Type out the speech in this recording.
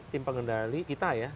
tim pengendali kita ya